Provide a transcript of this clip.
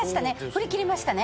振り切りましたね。